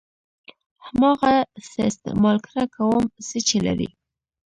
هماغه څه استعمال کړه کوم څه چې لرئ.